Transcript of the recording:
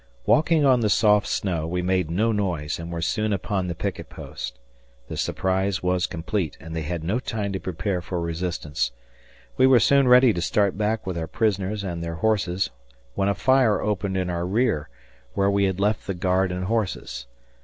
Walking on the soft snow, we made no noise and were soon upon the picket post. The surprise was complete, and they had no time to prepare for resistance. We were soon ready to start back with our prisoners and their horses, when a fire opened in our rear, where we had left the guard and horses.